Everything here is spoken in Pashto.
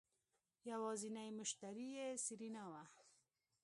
يوازينی مشتري يې سېرېنا وه.